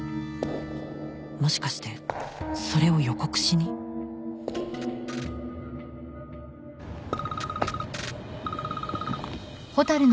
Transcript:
もしかしてそれを予告しに？もしもし？